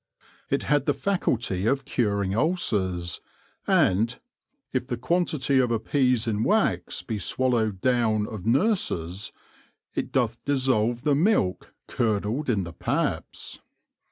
It had the faculty of curing ulcers, and " if the quantity of a Pease in Wax be swallowed down of Nurces, it doth dissolve the Milke curdled in the paps."